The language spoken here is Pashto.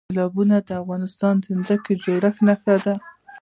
سیلابونه د افغانستان د ځمکې د جوړښت نښه ده.